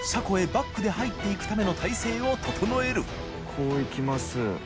こう行きます。